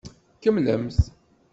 Kemmlemt.